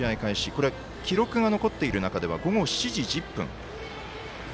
これ記録が残っている中では午後７時１０分。